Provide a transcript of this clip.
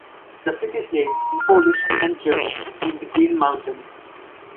The city's name, in Polish, and German, means "green mountain".